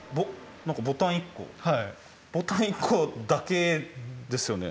何かボタン１個ボタン１個だけですよね。